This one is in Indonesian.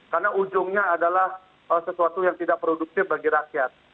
karena ujungnya adalah sesuatu yang tidak produktif bagi rakyat